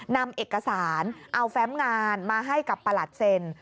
นำเอกสารเอาแฟมงานมาให้กับประหลัดเซ็น